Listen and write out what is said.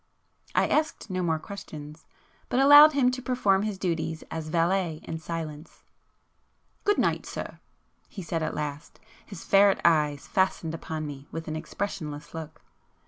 I asked no more questions, but allowed him to perform his duties as valet in silence. "Good night sir!" he said at last, his ferret eyes fastened upon me with an expressionless look.